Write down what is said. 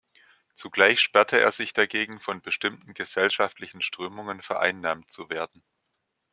Zugleich sperrte er sich dagegen, von bestimmten gesellschaftlichen Strömungen vereinnahmt zu werden.